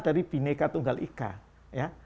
dari bineka tunggal ika ya